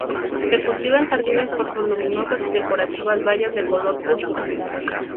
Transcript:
Se cultiva en jardines por sus luminosas y decorativas bayas de color púrpura.